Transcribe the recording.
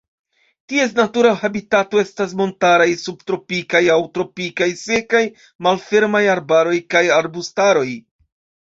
Ties natura habitato estas montaraj subtropikaj aŭ tropikaj sekaj malfermaj arbaroj kaj arbustaroj.